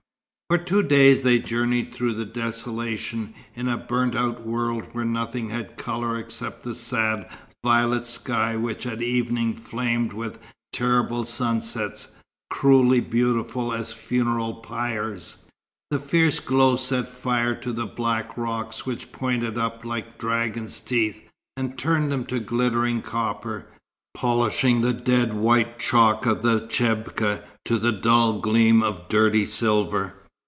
For two days they journeyed through desolation, in a burnt out world where nothing had colour except the sad violet sky which at evening flamed with terrible sunsets, cruelly beautiful as funeral pyres. The fierce glow set fire to the black rocks which pointed up like dragons' teeth, and turned them to glittering copper; polishing the dead white chalk of the chebka to the dull gleam of dirty silver.